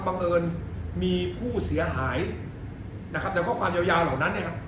บังเอิญมีผู้เสียหายนะครับแต่ข้อความยาวยาวเหล่านั้นเนี่ย